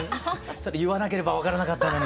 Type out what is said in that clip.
それ言わなければ分からなかったのに。